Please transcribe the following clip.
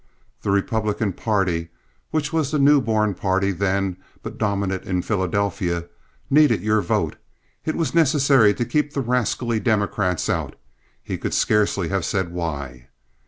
The Republican party, which was the new born party then, but dominant in Philadelphia, needed your vote; it was necessary to keep the rascally Democrats out—he could scarcely have said why.